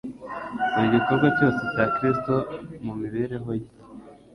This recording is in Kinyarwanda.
Buri gikorwa cyose cya Kristo mu mibereho ye